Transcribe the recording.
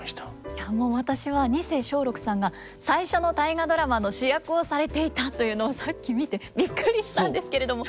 いやもう私は二世松緑さんが最初の「大河ドラマ」の主役をされていたというのをさっき見てびっくりしたんですけれども。